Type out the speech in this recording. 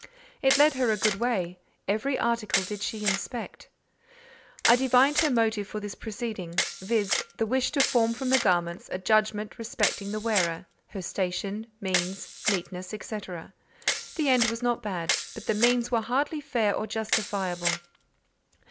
It led her a good way: every article did she inspect. I divined her motive for this proceeding, viz. the wish to form from the garments a judgment respecting the wearer, her station, means, neatness, &c. The end was not bad, but the means were hardly fair or justifiable.